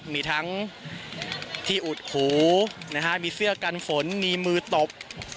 มีทั้งที่อุดหูมีเสื้อกันฝนมีมือตบ